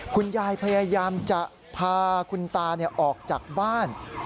คุณยายพยายามจะพาคุณตาออกจากบ้าน